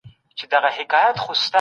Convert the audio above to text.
که زکات کفایت ونه کړي حکومت اقدام کوي.